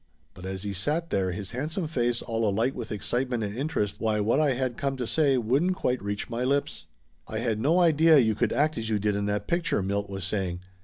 But as he sat there, his handsome face all alight with excitement and interest, why what I had come to say wouldn't quite reach my lips. "I had no idea you could act as you did in that pic ture!" Milt was saying.